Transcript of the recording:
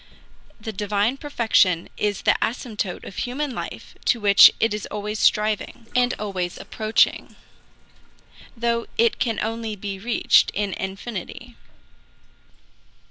The divine perfection is the asymptote of human life to which it is always striving, and always approaching, though it can only be reached in infinity.